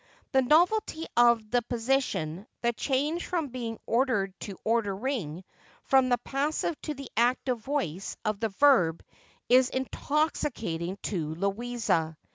The novelty of the position, the change from being ordered to ordering, from the passive to the active voice of the verb, is intoxicating to Louisa.